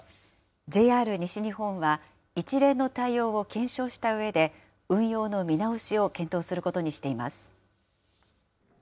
ＪＲ西日本は、一連の対応を検証したうえで、運用の見直しを検討することにしています。